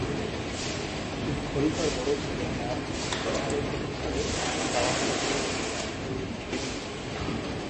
তিনি খলিফার বড় ছেলে নেযার এর অনুসারে দাওয়ত প্রচার করতে থাকেন।